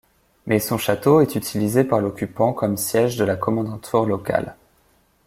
Mais son château est utilisé par l'occupant comme siège de la Kommandantur locale.